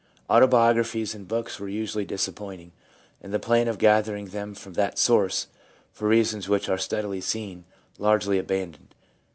Autobiographies in books were usually dis appointing, and the plan of gathering them from that source was, for reasons which are readily seen, largely abandoned.